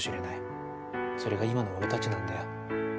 それが今の俺たちなんだよ